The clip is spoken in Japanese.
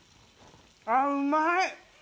あっうまい！